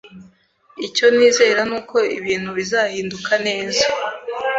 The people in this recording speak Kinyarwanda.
Icyo nizera nuko ibintu bizahinduka neza.